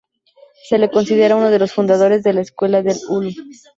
Se le considera uno de los fundadores de la Escuela de Ulm.